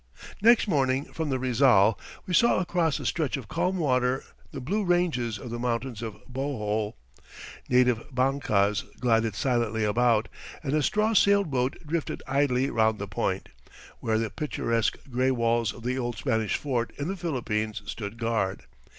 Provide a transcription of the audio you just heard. Next morning from the Rizal, we saw across a stretch of calm water the blue ranges of the mountains of Bohol. Native bancas glided silently about, and a straw sailed boat drifted idly round the point, where the picturesque gray walls of the oldest Spanish fort in the Philippines stood guard.